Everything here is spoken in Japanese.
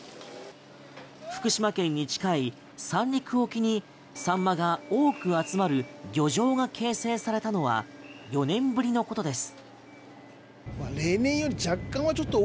福島県に近い三陸沖にサンマが多く集まる漁場が形成されたのは４年ぶりのことです。